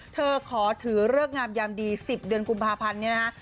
เธอขอถือเลิกงามยามดี๑๐เดือนกุมภาพันธ์นี้นะคะ